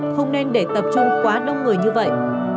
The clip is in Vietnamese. không nên để tập trung quá đông người như vậy